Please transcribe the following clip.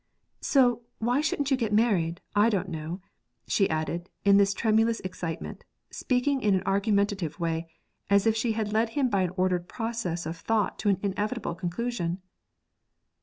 'So, why you shouldn't get married, I don't know.' She added this in tremulous excitement, speaking in an argumentative way, as if she had led him by an ordered process of thought to an inevitable conclusion.